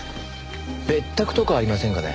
別宅とかありませんかね？